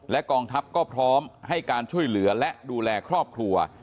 กองทัพก็พร้อมให้การช่วยเหลือและดูแลครอบครัว